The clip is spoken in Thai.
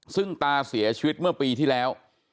ซึ่งตาเสียชีวิตเมื่อปีที่แล้ว